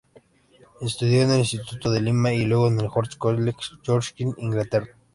Estudió en el Instituto de Lima y luego en el Horst College, Yorkshire, Inglaterra.